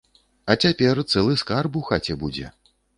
А цяпер цэлы скарб у хаце будзе.